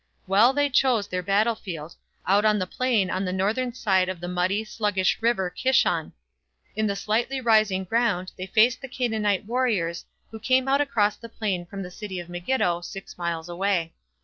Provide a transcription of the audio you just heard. Well they chose their battlefield, out on the plain on the northern side of the muddy, sluggish river Kishon. On the slightly rising ground they faced the Canaanite warriors who came out across the plain from the city of Megiddo, six miles away.